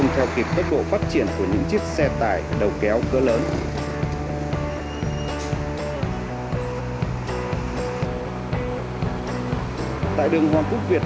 theo kịp tốc độ phát triển của những chiếc xe tải đầu kéo cơ lớn tại đường hoàng quốc việt